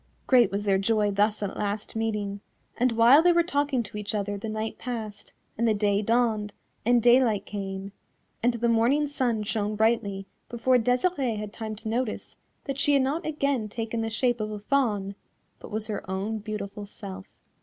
Great was their joy thus at last meeting, and while they were talking to each other the night passed, and the day dawned, and daylight came, and the morning sun shone brightly before Desirée had time to notice that she had not again taken the shape of a Fawn, but was her own beautiful self.